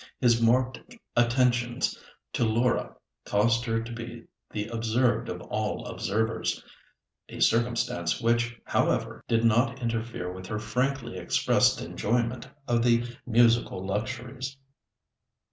His "marked attentions" to Laura caused her to be the observed of all observers, a circumstance which, however, did not interfere with her frankly expressed enjoyment of the musical luxuries.